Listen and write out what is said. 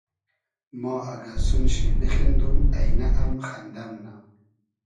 ما اگۂ سون شی بیخیندوم اݷنۂ ام خئندۂ مونۂ